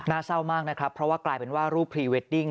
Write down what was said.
เศร้ามากนะครับเพราะว่ากลายเป็นว่ารูปพรีเวดดิ้ง